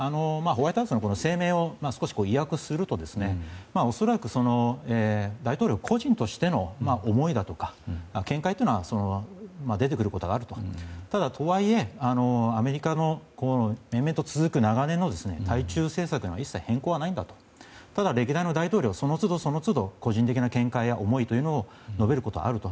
ホワイトハウスの声明を意訳すると恐らく大統領個人としての思いだとか見解というのは出てくることがあってただ、とはいえアメリカの連綿と続く流れの対中政策に一切の変更はないんだとただ、歴代の大統領はその都度、個人的な見解や思いというのを述べることはあると。